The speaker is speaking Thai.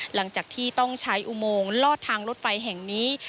หลังจากที่ต้องใช้อุโมงลอดทางรถไฟแห่งนี้